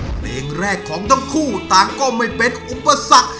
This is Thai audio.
เพลงแรกของทั้งคู่ต่างก็ไม่เป็นอุปสรรค